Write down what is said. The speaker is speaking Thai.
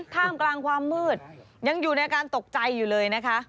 ท่ามกลางความมืดยังอยู่ในอาการตกใจอยู่เลยนะคะ